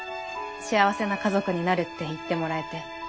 「幸せな家族になる」って言ってもらえて。